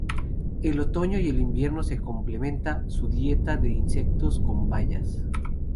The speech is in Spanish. En el otoño y el invierno se complementa su dieta de insectos con bayas.